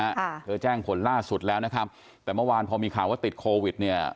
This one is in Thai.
ค่ะเธอแจ้งผลล่าสุดแล้วนะครับแต่เมื่อวานพอมีข่าวว่าติดโควิดเนี่ย